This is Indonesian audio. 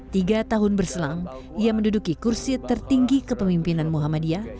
tiga tahun berselang ia menduduki kursi tertinggi kepemimpinan muhammadiyah